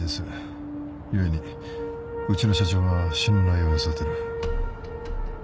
故にうちの社長は信頼を寄せてる。